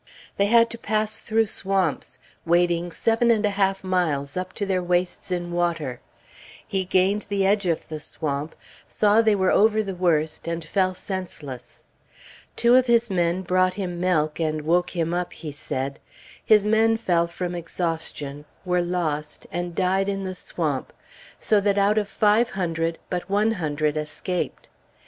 They had to pass through swamps, wading seven and a half miles, up to their waists in water. He gained the edge of the swamp, saw they were over the worst, and fell senseless. Two of his men brought him milk, and "woke him up," he said. His men fell from exhaustion, were lost, and died in the swamp; so that out of five hundred, but one hundred escaped.